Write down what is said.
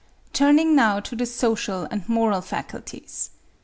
Turning now to the social and moral faculties.